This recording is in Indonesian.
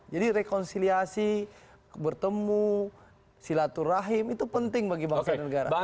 jadi rekonsiliasi bertemu silaturahim itu penting bagi bangsa dan negara